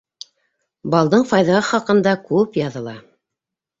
Балдың файҙаһы хаҡында күп яҙыла.